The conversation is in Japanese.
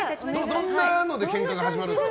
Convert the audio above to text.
どんなのでケンカが始まるんですか。